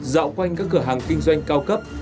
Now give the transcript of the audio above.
dạo quanh các cửa hàng kinh doanh cao cấp